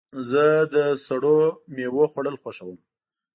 زه د سړو میوو خوړل خوښوم.